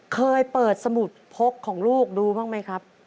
เคยเปิดสมุดพกของลูกดูบ้างไหมครับ